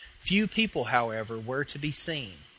Few people, however, were to be seen.